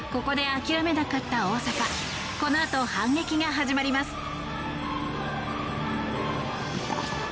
このあと反撃が始まります。